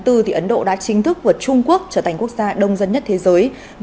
ấn độ đã chính thức vượt trung quốc trở thành quốc gia đông dân nhất thế giới